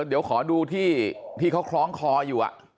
เดี๋ยวขอดูที่เขาคล้องคออยู่